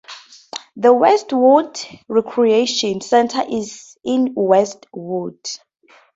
The Westwood Recreation Center is in Westwood.